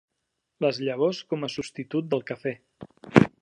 Les llavors com a substitut del cafè.